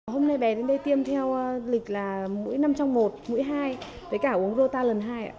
hôm nay bé đến đây tiêm theo lịch là mũi năm trong một mũi hai với cả uống rota lần hai ạ